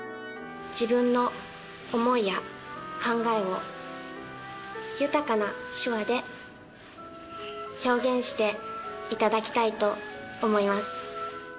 自分の思いや考えを豊かな手話で表現していただきたいと思います。